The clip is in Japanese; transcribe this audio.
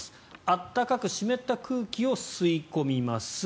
暖かく湿った空気を吸い込みます。